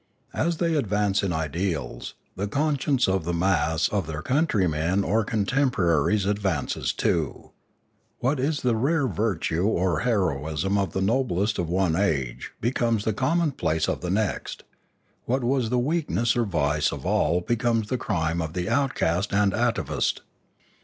As they advance in ideals, the con science of the mass of their countrymen or contempo raries advances too; what is the rare virtue or heroism of the noblest of one age becomes the commonplace of the next; what was the weakness or vice of all becomes the crime of the outcast and atavist.